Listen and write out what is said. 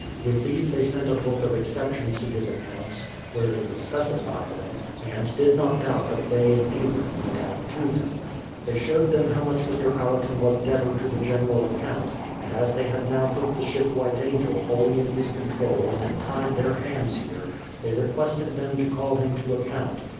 With these they sent a book of exceptions to his accounts, where they could specify them, and did not doubt but they in Eng land might add to them. They showed them how much Mr. AUerton was debtor to the general account, and as they had now put the ship White Angel wholly in his control and had tied their hands here, they requested them to call him to account.